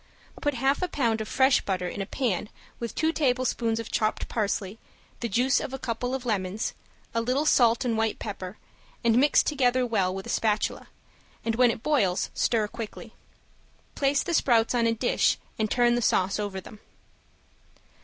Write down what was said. Put half a pound of fresh butter in a pan with two tablespoonfuls of chopped parsley, the juice of a couple of lemons, a little salt and white pepper and mix together well with a spatula, and when it boils stir quickly. Place the sprouts on a dish and turn the sauce over them.